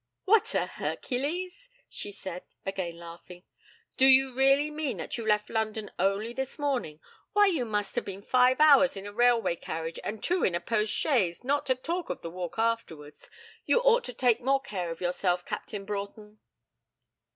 'What a Hercules?' she said, again laughing. 'Do you really mean that you left London only this morning? Why, you must have been five hours in a railway carriage and two in a post chaise, not to talk of the walk afterwards. You ought to take more care of yourself, Captain Broughton!'